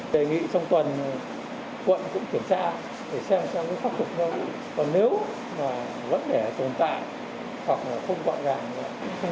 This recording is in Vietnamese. đề nghị trong tuần quận cũng kiểm tra để xem xem có khắc phục không